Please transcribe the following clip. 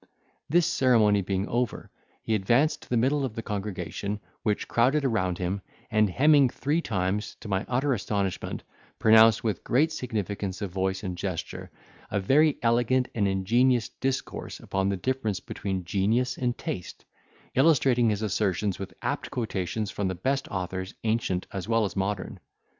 This ceremony being over, he advanced into the middle of the congregation, which crowded around him, and hemming three times, to my utter astonishment, pronounced with great significance of voice and gesture, a very elegant and ingenious discourse upon the difference between genius and taste, illustrating his assertions with apt quotations from the best authors, ancient as well as modern.